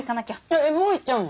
えっもう行っちゃうの？